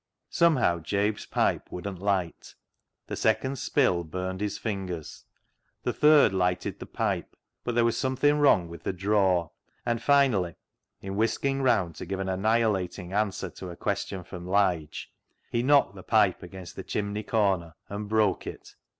Somehow Jabe's pipe wouldn't light. The second " spill " burned his fingers ; the third 200 CLOG SHOP CHRONICLES lighted the pipe, but there was something wrong with the " draw "; and finally, in whisking round to give an annihilating answer to a question from Lige, he knocked the pipe against the chimney corner and broke it.